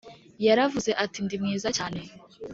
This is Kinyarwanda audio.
yaravuze ati ndi mwiza cyane